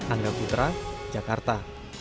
angga putra jakarta